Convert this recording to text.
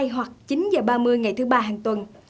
hoặc chín h ba mươi ngày thứ ba hàng tuần